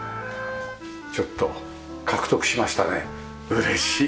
ちょっと獲得しましたね。嬉しいよね。